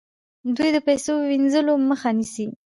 دوی د پیسو وینځلو مخه نیسي.